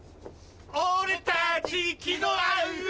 俺たち気の合う